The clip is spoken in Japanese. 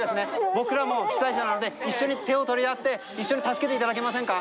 僕らも被災者なので一緒に手を取り合って一緒に助けて頂けませんか？